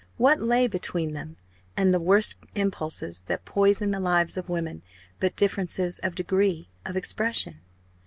What lay between them, and the worst impulses that poison the lives of women, but differences of degree, of expression?